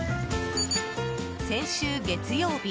先週、月曜日。